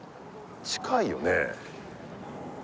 近いよね